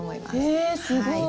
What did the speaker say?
へえすごい。